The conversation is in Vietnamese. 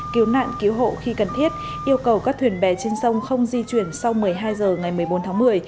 cứu nạn cứu hộ khi cần thiết yêu cầu các thuyền bè trên sông không di chuyển sau một mươi hai h ngày một mươi bốn tháng một mươi